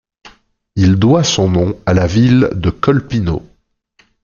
Il doit son nom à la ville de Kolpino.